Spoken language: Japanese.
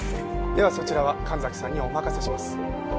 ではそちらは神崎さんにお任せします。